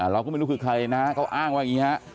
เราก็ไม่รู้คือใครนะเขาอ้างว่าอย่างนี้ฮะ